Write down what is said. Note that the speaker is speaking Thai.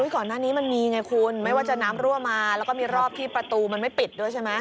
ก่อนหน้านี้มันมีไงคุณไม่ว่าจะน้ำรั่วมาแล้วก็มีรอบที่ประตูมันไม่ปิดด้วยใช่ไหม